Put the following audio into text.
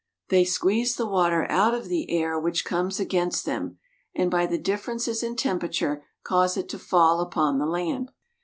They squeeze the water out of the air which comes against them, and by the differences in temperature cause it to fall upon the land.